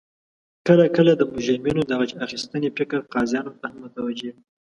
کله کله د مجرمینو د غچ اخستنې فکر قاضیانو ته هم متوجه وي